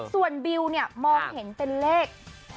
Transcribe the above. ส่วนบิวเนี่ยมองเห็นเป็นเลข๖๒๘